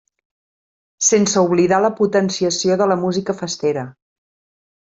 Sense oblidar la potenciació de la música festera.